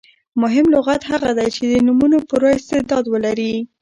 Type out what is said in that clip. مهم لغت هغه دئ، چي د نومونو پوره استعداد ولري.